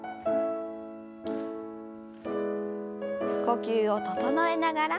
呼吸を整えながら。